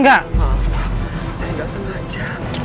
makaf pak saya gak semacam